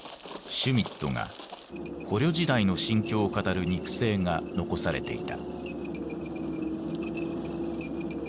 シュミットが捕虜時代の心境を語る肉声が残されていた。